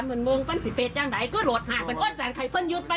อ้ำมาอาพราชดี